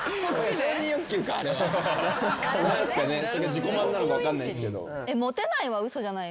自己満なのか分かんないんすけど。